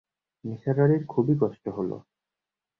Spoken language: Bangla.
নিসার আলির খুবই কষ্ট হল।